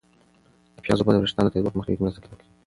د پیازو اوبه د ویښتانو د توییدو په مخنیوي کې مرسته کوي.